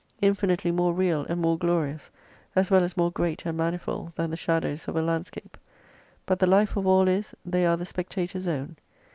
Infinitely more real and more glorious, as well as more great and manifold than the shadows of a landscape. But the Life of all is, they are the spectator's own.